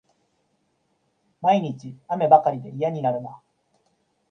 毎日、雨ばかりで嫌になるな